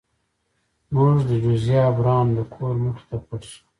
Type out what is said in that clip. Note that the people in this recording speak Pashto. موږ د جوزیا براون د کور مخې ته پټ شو.